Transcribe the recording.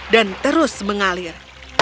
dan terus mengalir